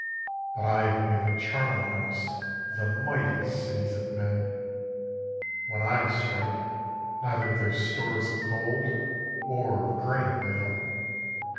But I have made a charnel house of the mightiest cities of men. When I strike, neither their stores of gold or of grain avail.